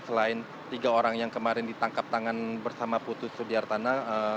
selain tiga orang yang kemarin ditangkap tangan bersama putut sudiartana